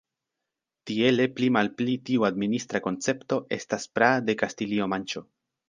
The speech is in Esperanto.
Tiele pli malpli tiu administra koncepto estas praa de Kastilio-Manĉo.